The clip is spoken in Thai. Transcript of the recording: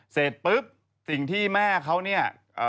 เสร็จปุ๊บสิ่งที่แม่เขาเนี่ย